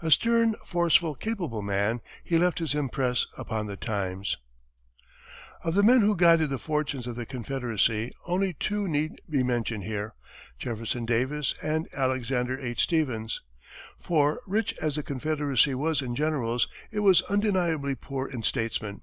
A stern, forceful, capable man, he left his impress upon the times. Of the men who guided the fortunes of the Confederacy, only two need be mentioned here Jefferson Davis and Alexander H. Stephens; for, rich as the Confederacy was in generals, it was undeniably poor in statesmen.